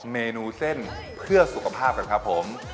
เมนูเส้นเพื่อสุขภาพกันครับผม